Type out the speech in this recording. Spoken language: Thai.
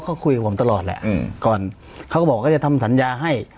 เขาคุยกับผมตลอดแหละอืมก่อนเขาก็บอกว่าจะทำสัญญาให้